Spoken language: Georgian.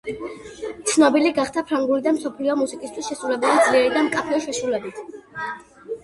ცნობილი გახდა ფრანგული და მსოფლიო მუსიკისთვის შესრულებული ძლიერი და მკაფიო შესრულებით.